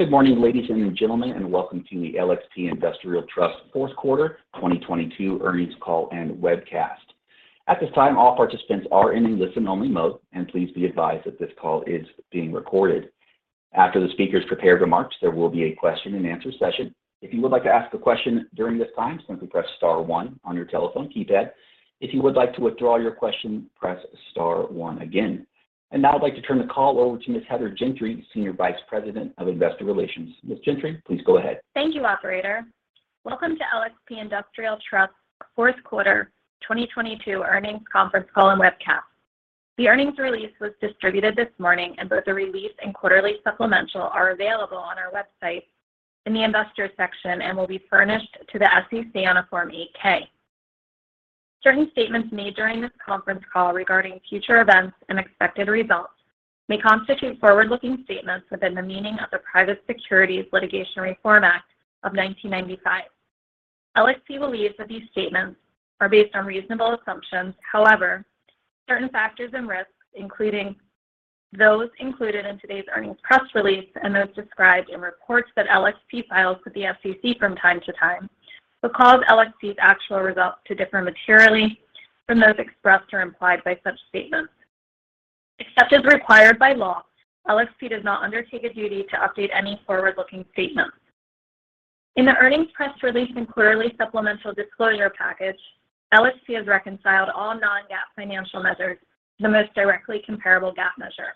Good morning, ladies and gentlemen, welcome to the LXP Industrial Trust Q4 2022 earnings call and webcast. At this time, all participants are in a listen-only mode. Please be advised that this call is being recorded. After the speakers prepared remarks, there will be a question-and-answer session. If you would like to ask a question during this time, simply press star one on your telephone keypad. If you would like to withdraw your question, press star one again. Now I'd like to turn the call over to Ms. Heather Gentry, Senior Vice President of Investor Relations. Ms. Gentry, please go ahead. Thank you, operator. Welcome to LXP Industrial Trust Q4 2022 earnings conference call and webcast. The earnings release was distributed this morning, and both the release and quarterly supplemental are available on our website in the Investors section and will be furnished to the SEC on a Form 8-K. Certain statements made during this conference call regarding future events and expected results may constitute forward-looking statements within the meaning of the Private Securities Litigation Reform Act of 1995. LXP believes that these statements are based on reasonable assumptions. However, certain factors and risks, including those included in today's earnings press release and those described in reports that LXP files with the SEC from time to time, will cause LXP's actual results to differ materially from those expressed or implied by such statements. Except as required by law, LXP does not undertake a duty to update any forward-looking statements. In the earnings press release and quarterly supplemental disclosure package, LXP has reconciled all non-GAAP financial measures to the most directly comparable GAAP measure.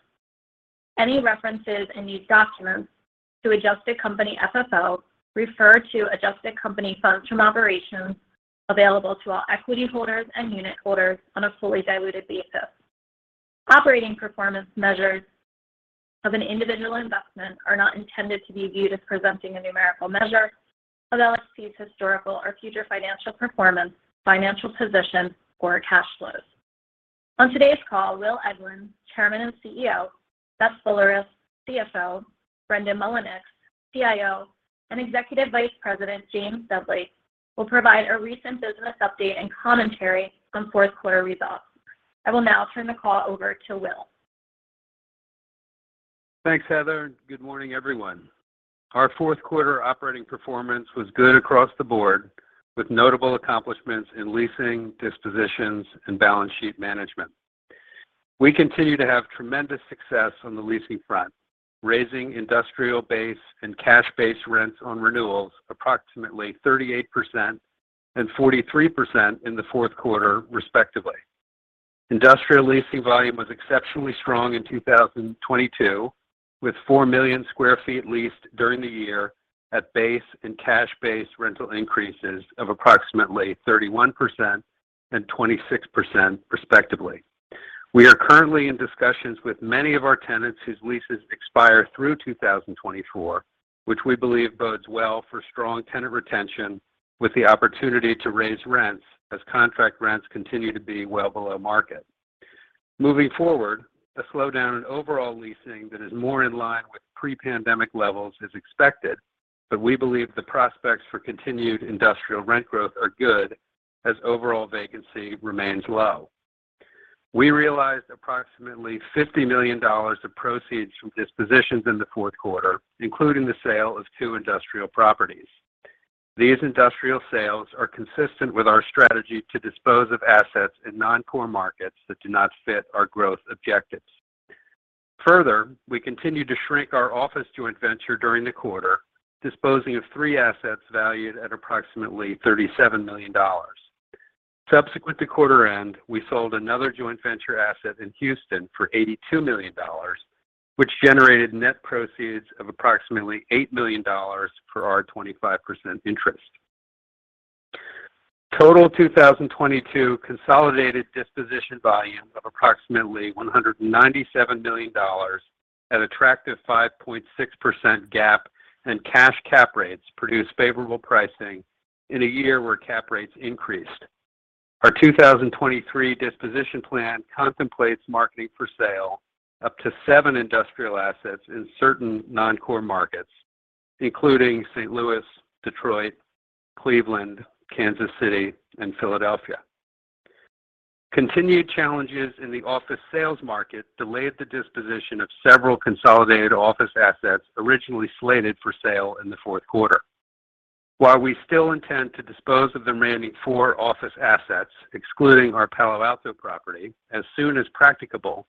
Any references in these documents to adjusted company FFO refer to adjusted company funds from operations available to all equity holders and unit holders on a fully diluted basis. Operating performance measures of an individual investment are not intended to be viewed as presenting a numerical measure of LXP's historical or future financial performance, financial position, or cash flows. On today's call, Will Eglin, Chairman and CEO, Beth Boulerice, CFO, Brendan Mullinix, CIO, and Executive Vice President James Dudley will provide a recent business update and commentary on Q4 results. I will now turn the call over to Will. Thanks, Heather. Good morning, everyone. Our Q4 operating performance was good across the board, with notable accomplishments in leasing, dispositions, and balance sheet management. We continue to have tremendous success on the leasing front, raising industrial base and cash base rents on renewals approximately 38% and 43% in the Q4, respectively. Industrial leasing volume was exceptionally strong in 2022, with 4 million sq ft leased during the year at base and cash base rental increases of approximately 31% and 26%, respectively. We are currently in discussions with many of our tenants whose leases expire through 2024, which we believe bodes well for strong tenant retention with the opportunity to raise rents as contract rents continue to be well below market. Moving forward, a slowdown in overall leasing that is more in line with pre-pandemic levels is expected, but we believe the prospects for continued industrial rent growth are good as overall vacancy remains low. We realized approximately $50 million of proceeds from dispositions in the Q4, including the sale of two industrial properties. These industrial sales are consistent with our strategy to dispose of assets in non-core markets that do not fit our growth objectives. Further, we continued to shrink our office joint venture during the quarter, disposing of three assets valued at approximately $37 million. Subsequent to quarter end, we sold another joint venture asset in Houston for $82 million, which generated net proceeds of approximately $8 million for our 25% interest. Total 2022 consolidated disposition volume of approximately $197 million at attractive 5.6% GAAP and cash cap rates produced favorable pricing in a year where cap rates increased. Our 2023 disposition plan contemplates marketing for sale up to seven industrial assets in certain non-core markets, including St. Louis, Detroit, Cleveland, Kansas City, and Philadelphia. Continued challenges in the office sales market delayed the disposition of several consolidated office assets originally slated for sale in the Q4. We still intend to dispose of the remaining four office assets, excluding our Palo Alto property, as soon as practicable,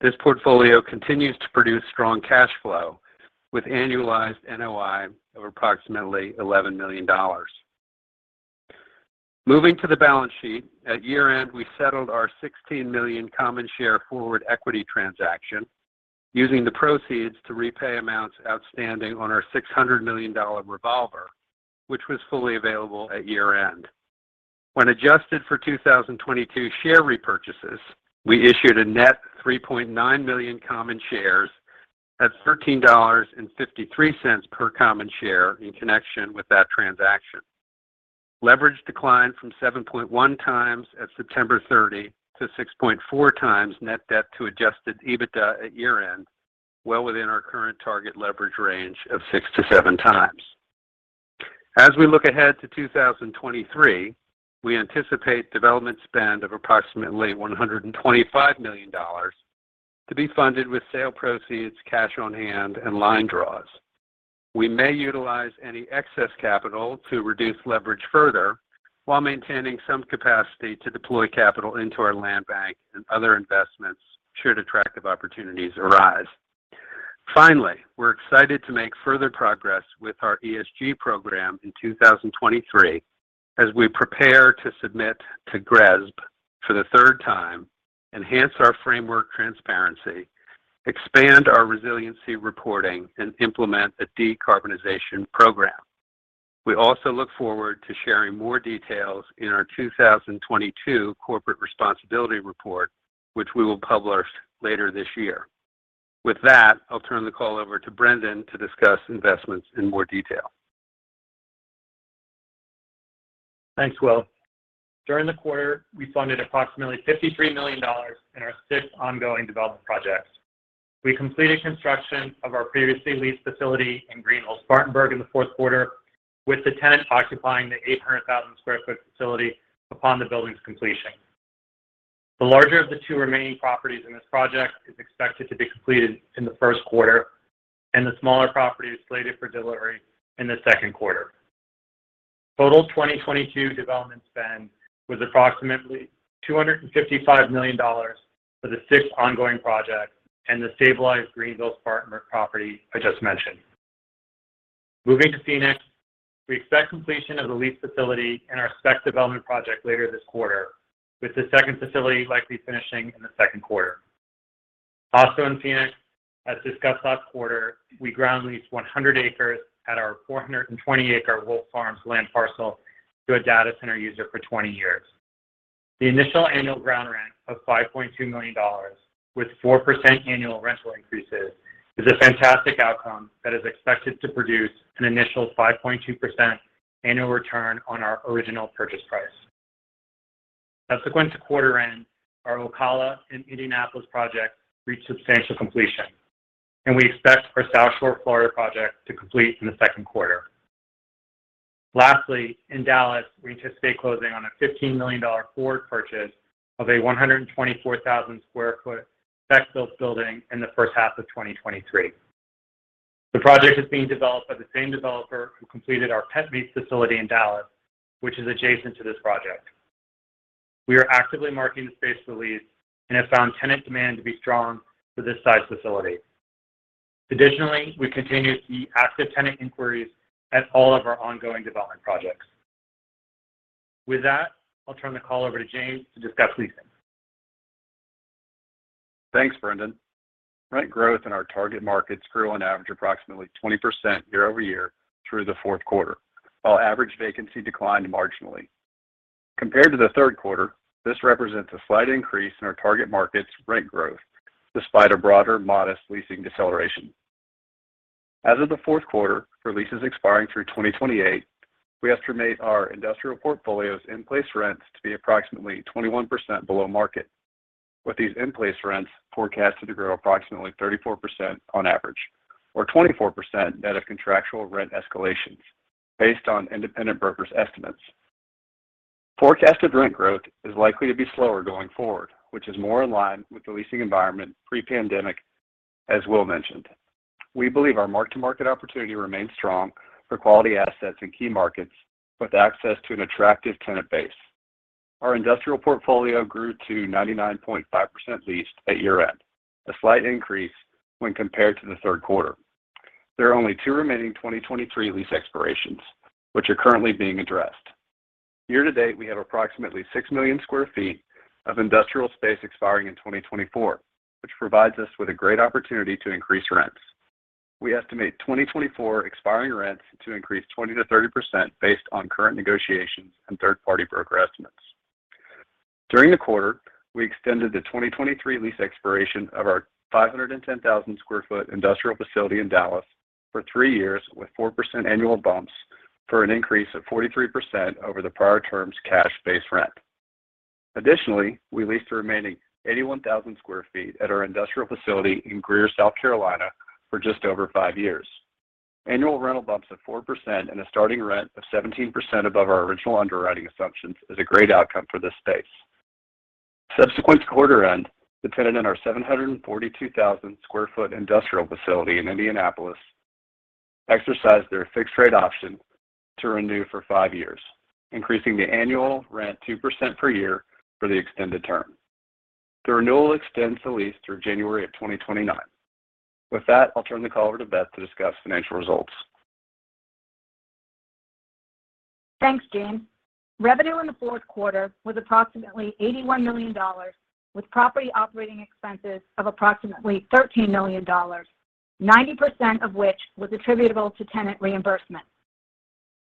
this portfolio continues to produce strong cash flow with annualized NOI of approximately $11 million. Moving to the balance sheet, at year-end we settled our $16 million common share forward equity transaction using the proceeds to repay amounts outstanding on our $600 million revolver, which was fully available at year-end. When adjusted for 2022 share repurchases, we issued a net $3.9 million common shares at $13.53 per common share in connection with that transaction. Leverage declined from 7.1x at September 30 to 6.4x net debt to adjusted EBITDA at year-end, well within our current target leverage range of 6x-7x. As we look ahead to 2023, we anticipate development spend of approximately $125 million to be funded with sale proceeds, cash on hand, and line draws. We may utilize any excess capital to reduce leverage further, while maintaining some capacity to deploy capital into our land bank and other investments should attractive opportunities arise. Finally, we're excited to make further progress with our ESG program in 2023, as we prepare to submit to GRESB for the third time, enhance our framework transparency, expand our resiliency reporting, and implement a decarbonization program. We also look forward to sharing more details in our 2022 corporate responsibility report, which we will publish later this year. With that, I'll turn the call over to Brendan to discuss investments in more detail. Thanks, Will. During the quarter, we funded approximately $53 million in our six ongoing development projects. We completed construction of our previously leased facility in Greenville, Spartanburg in the Q4, with the tenant occupying the 800,000 sq ft facility upon the building's completion. The larger of the two remaining properties in this project is expected to be completed in the Q1, and the smaller property is slated for delivery in the Q2. Total 2022 development spend was approximately $255 million for the six ongoing projects and the stabilized Greenville, Spartanburg property I just mentioned. Moving to Phoenix, we expect completion of the leased facility in our spec development project later this quarter, with the second facility likely finishing in the Q2. In Phoenix, as discussed last quarter, we ground leased 100 acres at our 420-acre Wolf Farms land parcel to a data center user for 20 years. The initial annual ground rent of $5.2 million with 4% annual rental increases is a fantastic outcome that is expected to produce an initial 5.2% annual return on our original purchase price. Subsequent to quarter end, our Ocala and Indianapolis projects reached substantial completion, and we expect our South Shore Florida project to complete in the Q2. In Dallas, we anticipate closing on a $15 million forward purchase of a 124,000 sq ft spec build building in the first half of 2023. The project is being developed by the same developer who completed our PetMeds facility in Dallas, which is adjacent to this project. We are actively marketing the space to lease and have found tenant demand to be strong for this size facility. Additionally, we continue to see active tenant inquiries at all of our ongoing development projects. With that, I'll turn the call over to James to discuss leasing. Thanks, Brendan. Rent growth in our target markets grew on average approximately 20% year-over-year through the Q4, while average vacancy declined marginally. Compared to the Q3, this represents a slight increase in our target market's rent growth despite a broader modest leasing deceleration. As of the Q4, for leases expiring through 2028, we estimate our industrial portfolio's in-place rents to be approximately 21% below market, with these in-place rents forecasted to grow approximately 34% on average or 24% net of contractual rent escalations based on independent brokers estimates. Forecasted rent growth is likely to be slower going forward, which is more in line with the leasing environment pre-pandemic, as Will mentioned. We believe our mark-to-market opportunity remains strong for quality assets in key markets with access to an attractive tenant base. Our industrial portfolio grew to 99.5% leased at year-end, a slight increase when compared to the Q3. There are only 2 remaining 2023 lease expirations, which are currently being addressed. Year to date, we have approximately 6 million sq ft of industrial space expiring in 2024, which provides us with a great opportunity to increase rents. We estimate 2024 expiring rents to increase 20%-30% based on current negotiations and third-party broker estimates. During the quarter, we extended the 2023 lease expiration of our 510,000 sq ft industrial facility in Dallas for 3 years with 4% annual bumps for an increase of 43% over the prior term's cash base rent. Additionally, we leased the remaining 81,000 sq ft at our industrial facility in Greer, South Carolina, for just over 5 years. Annual rental bumps of 4% and a starting rent of 17% above our original underwriting assumptions is a great outcome for this space. Subsequent to quarter end, the tenant in our 742,000 sq ft industrial facility in Indianapolis exercised their fixed rate option to renew for 5 years, increasing the annual rent 2% per year for the extended term. The renewal extends the lease through January of 2029. With that, I'll turn the call over to Beth to discuss financial results. Thanks, James. Revenue in the Q4 was approximately $81 million, with property operating expenses of approximately $13 million, 90% of which was attributable to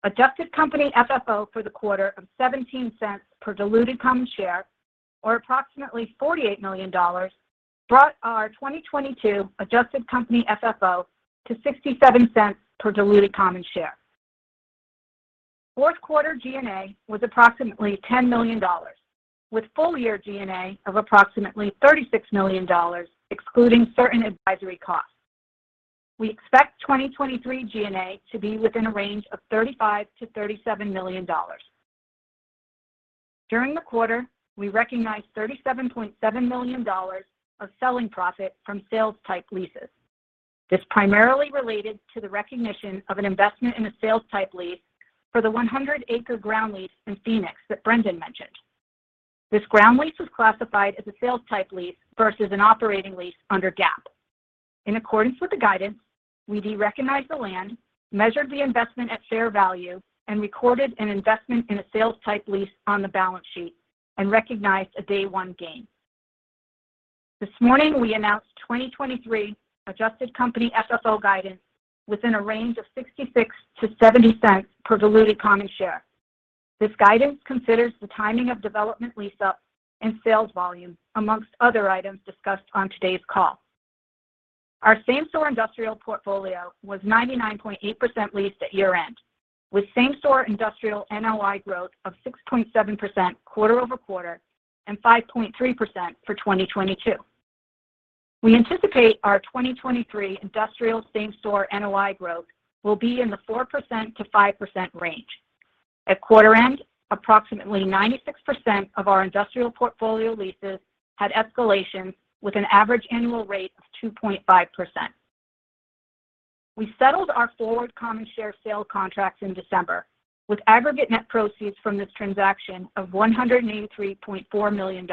tenant reimbursement. Adjusted company FFO for the quarter of $0.17 per diluted common share, or approximately $48 million, brought our 2022 adjusted company FFO to $0.67 per diluted common share. Q4 G&A was approximately $10 million, with full year G&A of approximately $36 million, excluding certain advisory costs. We expect 2022 G&A to be within a range of $35 million-$37 million. During the quarter, we recognized $37.7 million of selling profit from sales-type leases. This primarily related to the recognition of an investment in a sales-type lease for the 100 acre ground lease in Phoenix that Brendan mentioned. This ground lease was classified as a sales-type lease versus an operating lease under GAAP. In accordance with the guidance, we derecognized the land, measured the investment at fair value, and recorded an investment in a sales-type lease on the balance sheet and recognized a day one gain. This morning, we announced 2023 adjusted company FFO guidance within a range of $0.66-$0.70 per diluted common share. This guidance considers the timing of development lease up and sales volume, amongst other items discussed on today's call. Our same store industrial portfolio was 99.8% leased at year-end, with same store industrial NOI growth of 6.7% quarter-over-quarter and 5.3% for 2022. We anticipate our 2023 industrial same store NOI growth will be in the 4%-5% range. At quarter-end, approximately 96% of our industrial portfolio leases had escalation with an average annual rate of 2.5%. We settled our forward common share sale contracts in December with aggregate net proceeds from this transaction of $183.4 million.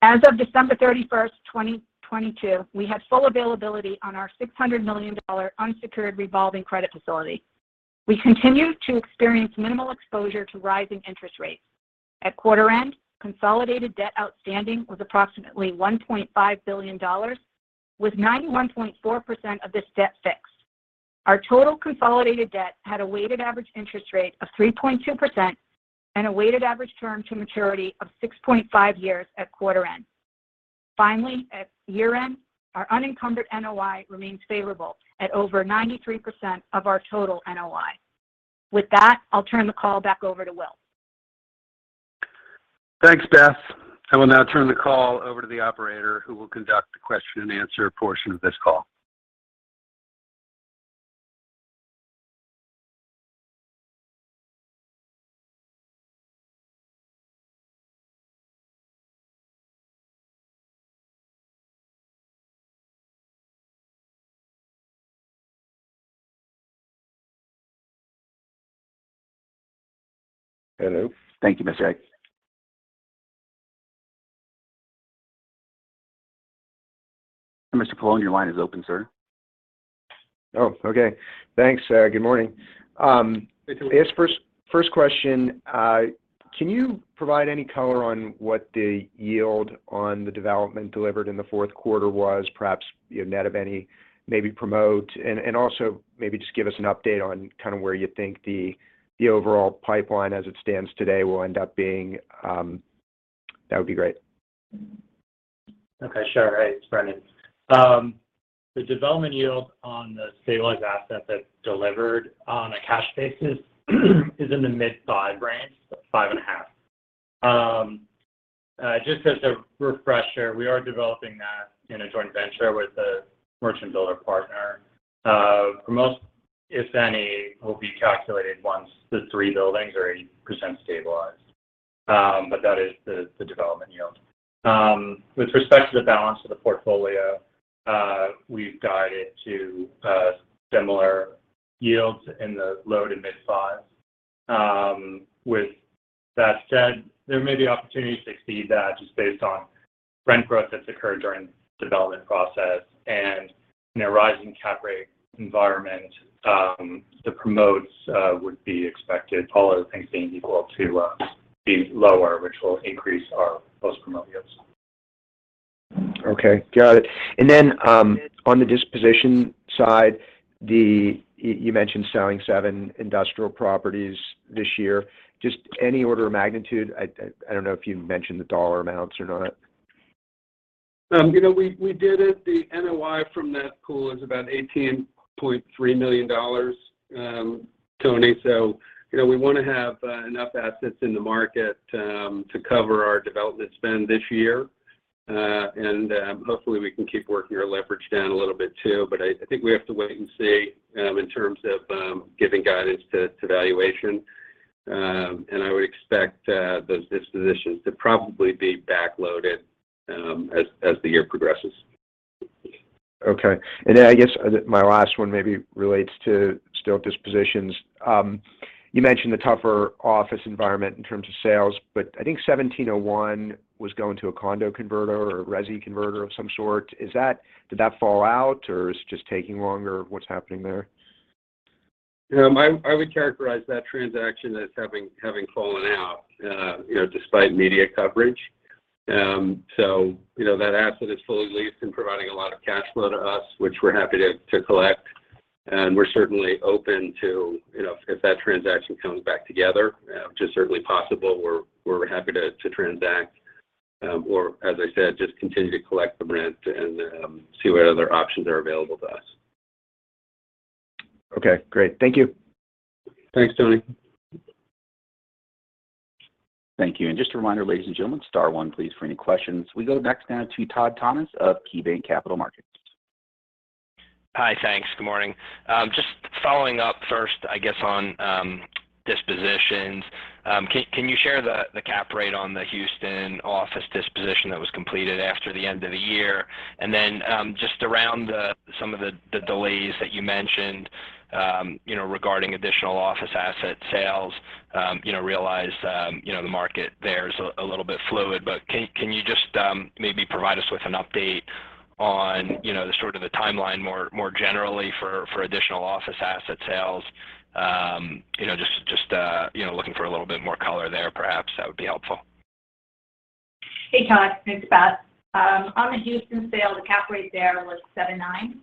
As of December 31, 2022, we had full availability on our $600 million unsecured revolving credit facility. We continue to experience minimal exposure to rising interest rates. At quarter-end, consolidated debt outstanding was approximately $1.5 billion, with 91.4% of this debt fixed. Our total consolidated debt had a weighted average interest rate of 3.2% and a weighted average term to maturity of 6.5 years at quarter-end. Finally, at year-end, our unencumbered NOI remains favorable at over 93% of our total NOI. With that, I'll turn the call back over to Will. Thanks, Beth. I will now turn the call over to the operator who will conduct the question and answer portion of this call. Hello. Thank you, Mr. H. Anthony Paolone, your line is open, sir. Okay. Thanks, good morning. Hey, Anthony. Yes. First question. Can you provide any color on what the yield on the development delivered in the Q4 was perhaps, net of any maybe promote? Also maybe just give us an update on kind of where you think the overall pipeline as it stands today will end up being. That would be great. Okay, sure. Hey, it's Brendan. The development yield on the stabilized asset that delivered on a cash basis is in the mid 5 range, 5.5. Just as a refresher, we are developing that in a joint venture with a merchant builder partner. For most, if any, will be calculated once the 3 buildings are 80% stabilized. But that is the development yield. With respect to the balance of the portfolio, we've guided to, similar yields in the low to mid 5s. With that said, there may be opportunities to exceed that just based on rent growth that's occurred during the development process. In a rising cap rate environment, the promotes, would be expected, all other things being equal to, be lower, which will increase our post-promote yields. Okay. Got it. On the disposition side, You mentioned selling seven industrial properties this year. Just any order of magnitude? I don't know if you mentioned the dollar amounts or not. We did it. The NOI from that pool is about $18.3 million, Tony. we want to have enough assets in the market to cover our development spend this year. Hopefully we can keep working our leverage down a little bit too. I think we have to wait and see in terms of giving guidance to valuation. I would expect those dispositions to probably be backloaded as the year progresses. Okay. I guess my last one maybe relates to still dispositions. You mentioned the tougher office environment in terms of sales, but I think 1701 Market Street was going to a condo converter or a resi converter of some sort. Did that fall out or is it just taking longer? What's happening there? I would characterize that transaction as having fallen out, despite media coverage. That asset is fully leased and providing a lot of cash flow to us, which we're happy to collect. We're certainly open to, if that transaction comes back together, which is certainly possible, we're happy to transact. As I said, just continue to collect the rent and, see what other options are available to us. Okay, great. Thank you. Thanks, Anthony. Thank you. Just a reminder ladies and gentlemen, star one please for any questions. We go next now to Todd Thomas of KeyBanc Capital Markets. Hi. Thanks. Good morning. Just following up first, I guess on dispositions. Can you share the cap rate on the Houston office disposition that was completed after the end of the year? Then, just around the, some of the delays that you mentioned, regarding additional office asset sales. realize, the market there is a little bit fluid, but can you just maybe provide us with an update on, the sort of the timeline more generally for additional office asset sales? just, looking for a little bit more color there perhaps that would be helpful. Hey, Todd. It's Beth. On the Houston sale, the cap rate there was 7.9%.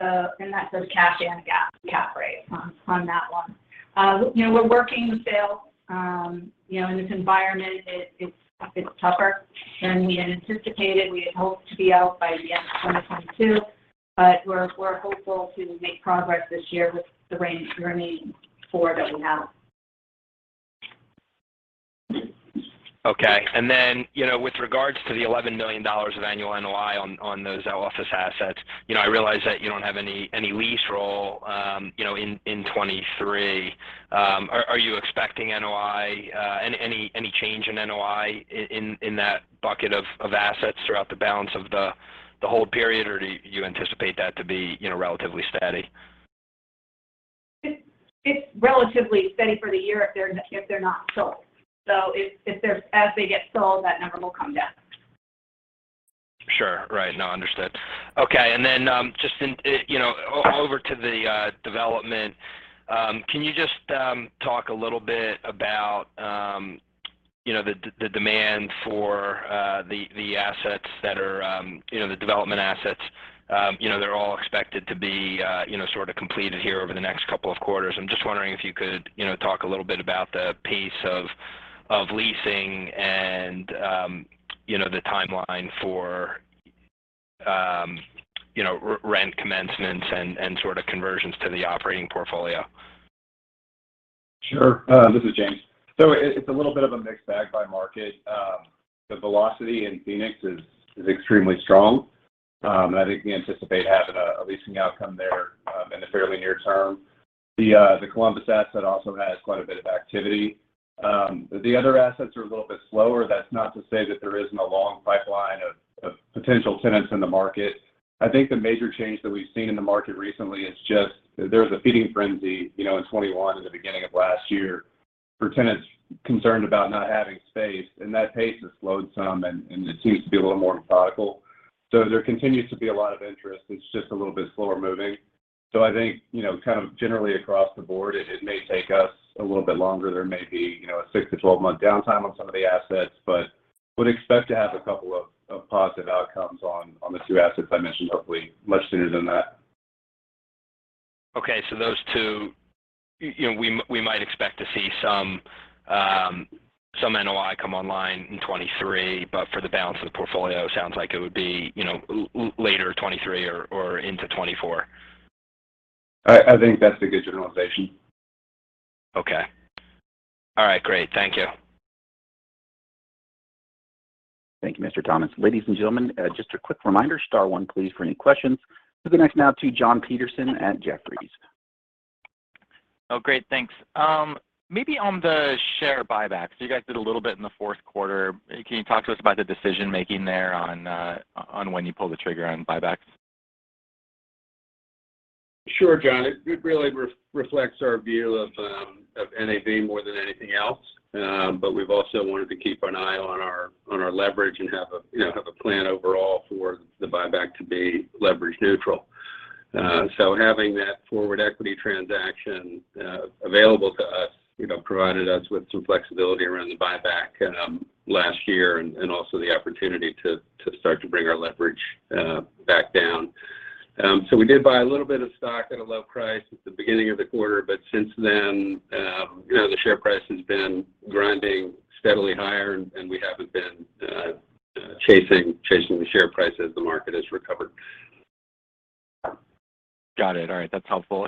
That's a cash and GAAP cap rate on that one. We're working the sale. In this environment it's tougher than we had anticipated. We had hoped to be out by the end of 2022, we're hopeful to make progress this year with the range remaining four that we have. Okay. With regards to the $11 million of annual NOI on those office assets, I realize that you don't have any lease role, in 2023. Are you expecting NOI, any change in NOI in that bucket of assets throughout the balance of the hold period, or do you anticipate that to be, relatively steady? It's relatively steady for the year if they're not sold. If as they get sold, that number will come down. Sure. Right. No, understood. Okay, just in, over to the development. Can you just talk a little bit about, the demand for the assets that are, the development assets. they're all expected to be, sort of completed here over the next couple of quarters. I'm just wondering if you could, talk a little bit about the pace of leasing and, the timeline for, re-rent commencements and sort of conversions to the operating portfolio. Sure. This is James. It's a little bit of a mixed bag by market. The velocity in Phoenix is extremely strong. I think we anticipate having a leasing outcome there in the fairly near term. The Columbus asset also has quite a bit of activity. The other assets are a little bit slower. That's not to say that there isn't a long pipeline of potential tenants in the market. I think the major change that we've seen in the market recently is just there was a feeding frenzy, in 21, in the beginning of last year for tenants concerned about not having space, that pace has slowed some and it seems to be a little more methodical. There continues to be a lot of interest. It's just a little bit slower moving. I think, kind of generally across the board, it may take us a little bit longer. There may be a 6-12 month downtime on some of the assets, but would expect to have a couple of positive outcomes on the two assets I mentioned, hopefully much sooner than that. Okay. those two, we might expect to see some some NOI come online in 2023, but for the balance of the portfolio, sounds like it would be, later 2023 or into 2024. I think that's a good generalization. Okay. All right, great. Thank you. Thank you, Mr. Thomas. Ladies and gentlemen, just a quick reminder, star one please for any questions. To the next now to Jon Petersen at Jefferies. Great. Thanks. Maybe on the share buybacks. You guys did a little bit in the Q4. Can you talk to us about the decision making there on when you pull the trigger on buybacks? Sure, John. It really reflects our view of NAV more than anything else. we've also wanted to keep an eye on our leverage and have a plan overall for the buyback to be leverage neutral. having that forward equity transaction available to us, provided us with some flexibility around the buyback last year and also the opportunity to start to bring our leverage back down. we did buy a little bit of stock at a low price at the beginning of the quarter, but since then, the share price has been grinding steadily higher, and we haven't been chasing the share price as the market has recovered. Got it. All right. That's helpful.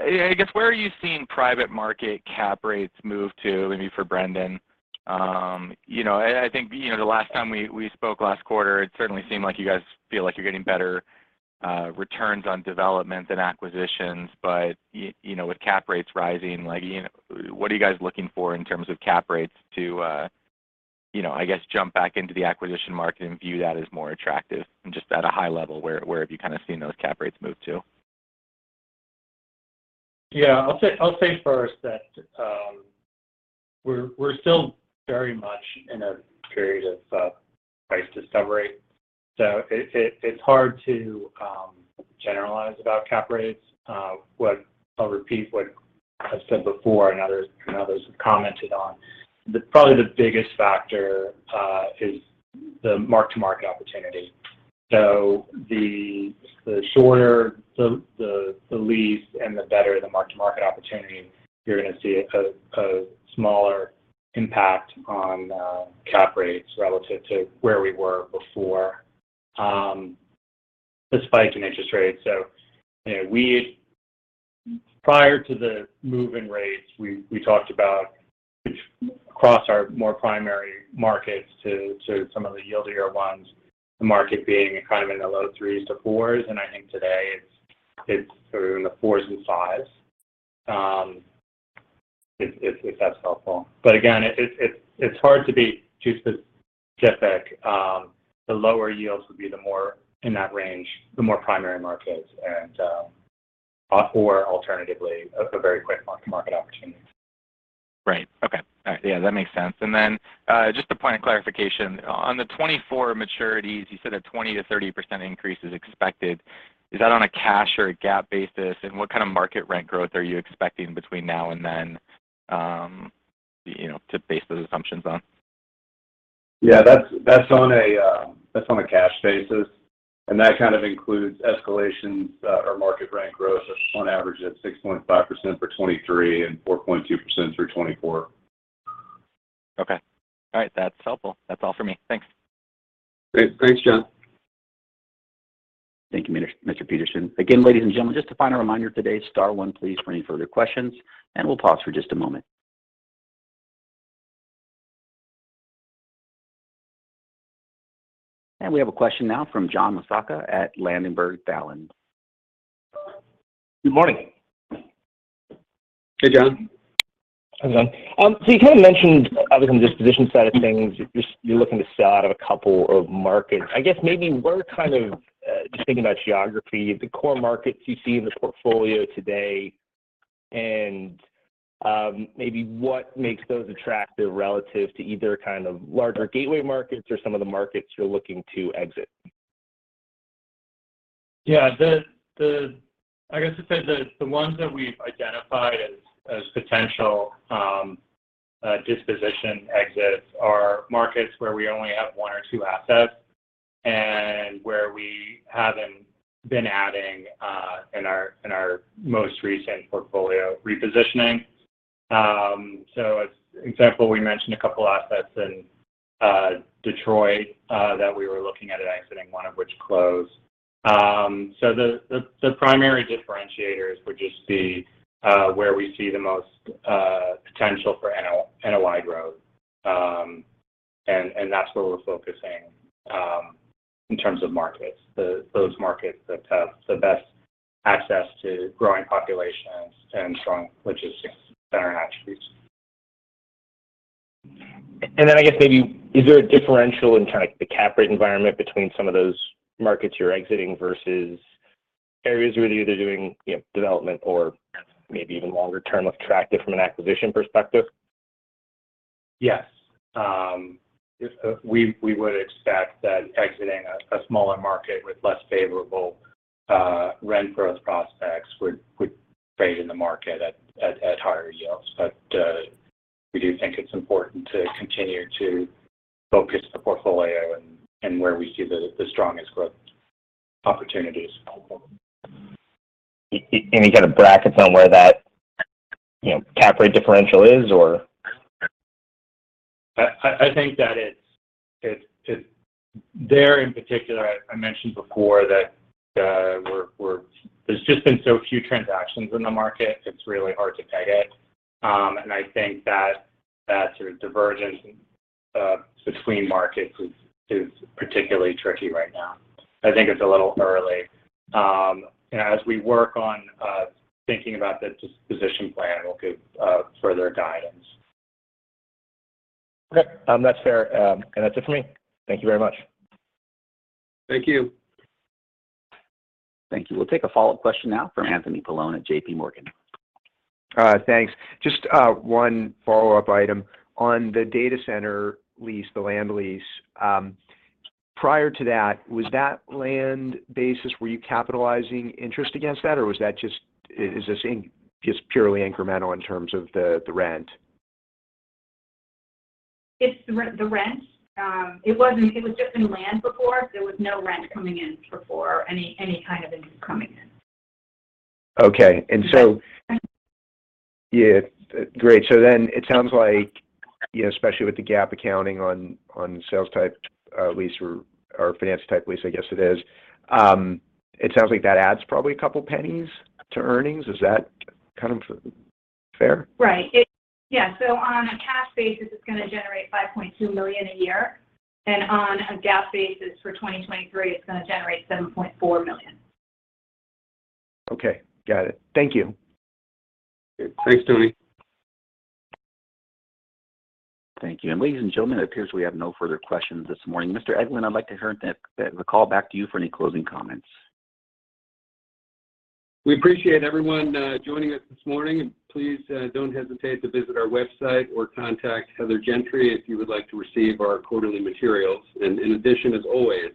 I guess where are you seeing private market cap rates move to? Maybe for Brendan. The last time we spoke last quarter, it certainly seemed like you guys feel like you're getting better returns on development than acquisitions. With cap rates rising, like what are you guys looking for in terms of cap rates to I guess jump back into the acquisition market and view that as more attractive? Just at a high level, where have you kind of seen those cap rates move to? Yeah. I'll say first that we're still very much in a period of price discovery, it's hard to generalize about cap rates. What I'll repeat what I've said before and others have commented on, probably the biggest factor is the mark-to-market opportunity. The shorter the lease and the better the mark-to-market opportunity, you're going to see a smaller impact on cap rates relative to where we were before the spike in interest rates. Prior to the move in rates, we talked about across our more primary markets to some of the yieldier ones, the market being kind of in the low 3s to 4s, and I think today it's sort of in the 4s and 5s, if that's helpful. Again, it's hard to be too specific. The lower yields would be the more in that range, the more primary markets, and, or alternatively, a very quick mark-to-market opportunity. Right. Okay. All right. Yeah, that makes sense. Just a point of clarification. On the 2024 maturities, you said a 20%-30% increase is expected. Is that on a cash or a GAAP basis? What kind of market rent growth are you expecting between now and then, to base those assumptions on? Yeah, that's on a cash basis. That kind of includes escalations or market rent growth on average at 6.5% for 2023 and 4.2% through 2024. Okay. All right. That's helpful. That's all for me. Thanks. Great. Thanks, John. Thank you, Mr. Petersen. Ladies and gentlemen, just a final reminder today, star one please for any further questions, and we'll pause for just a moment. We have a question now from John Massocca at Ladenburg Thalmann. Good morning. Hey, John. How's it going? You kind of mentioned on the disposition side of things, just you're looking to sell out of a couple of markets. I guess maybe where kind of, just thinking about geography, the core markets you see in the portfolio today and, maybe what makes those attractive relative to either kind of larger gateway markets or some of the markets you're looking to exit? Yeah. I guess I'd say the ones that we've identified as potential disposition exits are markets where we only have one or two assets and where we haven't been adding in our most recent portfolio repositioning. As example, we mentioned a couple assets in Detroit that we were looking at exiting, one of which closed. The primary differentiators would just be where we see the most potential for NOI growth. That's where we're focusing in terms of markets. Those markets that have the best access to growing populations and strong logistics that are attributes. I guess maybe is there a differential in kind of the cap rate environment between some of those markets you're exiting versus areas where you're either doing, development or maybe even longer term attractive from an acquisition perspective? Yes. We would expect that exiting a smaller market with less favorable rent growth prospects would trade in the market at higher yields. We do think it's important to continue to focus the portfolio and where we see the strongest growth opportunities. Any kind of brackets on where that, cap rate differential is or? There, in particular, I mentioned before that we're there's just been so few transactions in the market, it's really hard to peg it. I think that sort of divergence between markets is particularly tricky right now. I think it's a little early. As we work on thinking about the disposition plan, we'll give further guidance. Okay. That's fair. That's it for me. Thank you very much. Thank you. Thank you. We'll take a follow-up question now from Anthony Paolone at J.P. Morgan. Thanks. Just one follow-up item. On the data center lease, the land lease, prior to that, was that land basis, were you capitalizing interest against that, or was that just purely incremental in terms of the rent? It's the rent. It wasn't. It was just in land before. There was no rent coming in before, any kind of income coming in. Okay. Yeah. Great. It sounds like, especially with the GAAP accounting on sales-type lease or finance type lease, I guess it is, it sounds like that adds probably a couple pennies to earnings. Is that kind of fair? Right. On a cash basis, it's going to generate $5.2 million a year. On a GAAP basis for 2023, it's going to generate $7.4 million. Okay. Got it. Thank you. Thanks, Anthony. Thank you. Ladies and gentlemen, it appears we have no further questions this morning. Mr. Eglin, I'd like to turn the call back to you for any closing comments. We appreciate everyone, joining us this morning. Please, don't hesitate to visit our website or contact Heather Gentry if you would like to receive our quarterly materials. In addition, as always,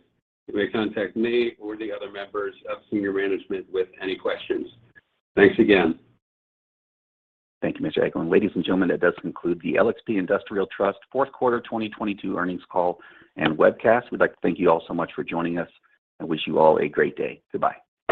you may contact me or the other members of senior management with any questions. Thanks again. Thank you, Mr. Eglin. Ladies and gentlemen, that does conclude the LXP Industrial Trust Q4 2022 earnings call and webcast. We'd like to thank you all so much for joining us and wish you all a great day. Goodbye.